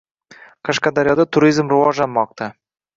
Qashqadaryoda turizm rivojlanmoqda